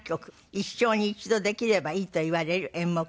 一生に一度できればいいといわれる演目でございます。